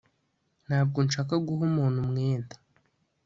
ntabwo nshaka guha umuntu umwenda